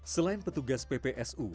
selain petugas ppsu